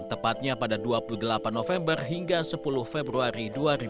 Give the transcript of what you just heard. tepatnya pada dua puluh delapan november hingga sepuluh februari dua ribu dua puluh